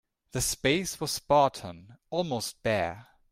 The space was spartan, almost bare.